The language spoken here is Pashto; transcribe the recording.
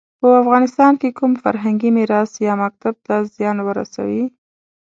په افغانستان کې کوم فرهنګي میراث یا مکتب ته زیان ورسوي.